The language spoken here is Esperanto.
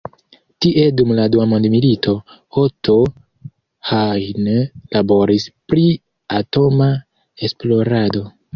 Tie dum la dua mondmilito, Otto Hahn laboris pri atoma esplorado.